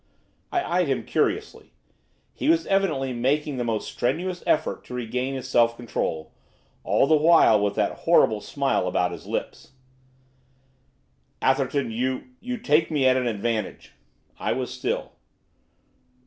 I eyed him, curiously. He was evidently making the most strenuous efforts to regain his self control, all the while with that horrible smile about his lips. 'Atherton, you you take me at an advantage.' I was still.